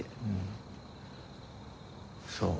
そう。